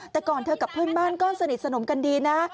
แต่ก่อนเธอกับเพื่อนบ้านก็สนิทสนมกันดีนะ